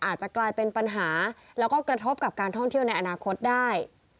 อาจจะกลายเป็นปัญหาแล้วก็กระทบกับการท่องเที่ยวในอนาคตได้